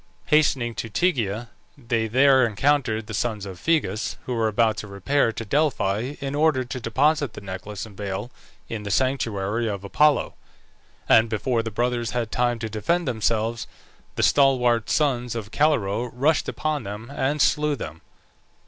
Hastening to Tegea, they there encountered the sons of Phegeus, who were about to repair to Delphi, in order to deposit the necklace and veil in the sanctuary of Apollo; and before the brothers had time to defend themselves, the stalwart sons of Calirrhoe rushed upon them and slew them.